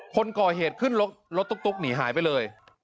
คนก่อเหตุขึ้นรถตุ๊กหนีหายไปเลย